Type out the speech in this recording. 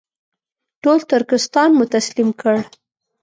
ټول ترکستان مو تسلیم کړ.